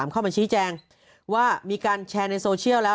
เข้ามาชี้แจงว่ามีการแชร์ในโซเชียลแล้ว